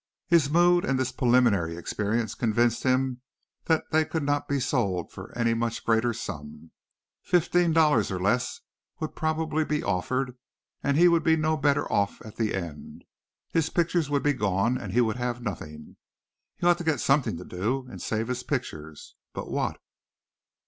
His mood and this preliminary experience convinced him that they could not be sold for any much greater sum. Fifteen dollars or less would probably be offered and he would be no better off at the end. His pictures would be gone and he would have nothing. He ought to get something to do and save his pictures. But what?